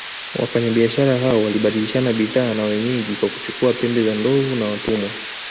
Wafanyabiashara hao walibadilishana bidhaa na wenyeji kwa kuchukua pembe za ndovu na watumwa